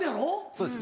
そうです